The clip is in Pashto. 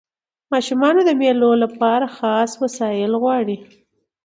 ماشومان د مېلو له پاره خاص وسایل غواړي.